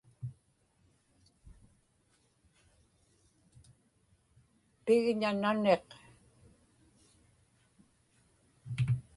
pigña naniq